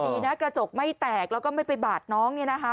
ดีนะกระจกไม่แตกแล้วก็ไม่ไปบาดน้องเนี่ยนะคะ